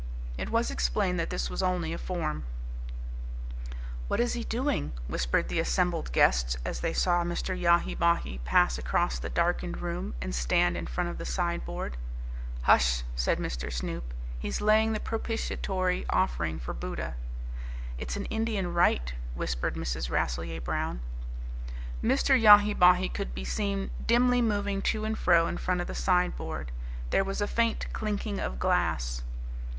It was explained that this was only a form. "What is he doing?" whispered the assembled guests as they saw Mr. Yahi Bahi pass across the darkened room and stand in front of the sideboard. "Hush!" said Mr. Snoop; "he's laying the propitiatory offering for Buddha." "It's an Indian rite," whispered Mrs. Rasselyer Brown. Mr. Yahi Bahi could be seen dimly moving to and fro in front of the sideboard. There was a faint clinking of glass.